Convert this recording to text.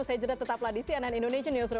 saya jeda tetaplah di cnn indonesian newsroom